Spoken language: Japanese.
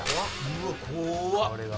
うわ怖っ！